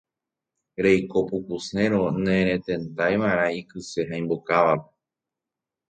Reiko pukusérõ neretentaiva'erã ikyse ha imbokávape.